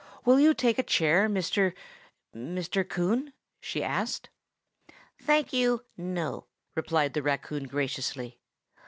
"Will you take a chair, Mr.—Mr. Coon?" she asked. "Thank you, no," replied the raccoon graciously.